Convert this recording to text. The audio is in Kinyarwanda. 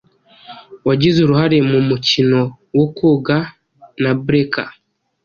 Wagize uruhare mu mukino wo koga na Breca?